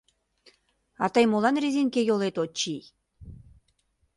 А тый молан резинке йолет от чий?